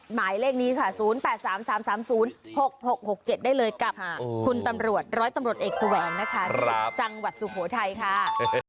หมายเลขนี้ค่ะ๐๘๓๓๓๐๖๖๖๗ได้เลยกับคุณตำรวจร้อยตำรวจเอกแสวงนะคะจังหวัดสุโขทัยค่ะ